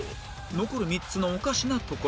残る３つのおかしなところ